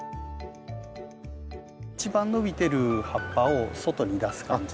一番伸びてる葉っぱを外に出す感じで。